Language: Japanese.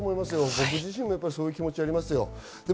僕自身もそういう気持ちありますよ。